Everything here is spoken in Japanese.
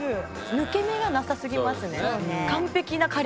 抜け目がなさすぎますね。